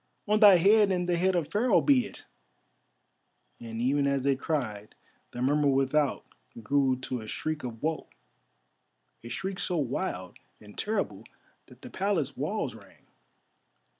On thy head and the head of Pharaoh be it," and even as they cried the murmur without grew to a shriek of woe, a shriek so wild and terrible that the Palace walls rang.